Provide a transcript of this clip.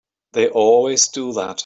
They always do that.